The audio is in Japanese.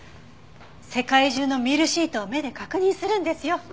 世界中のミルシートを目で確認するんですよ。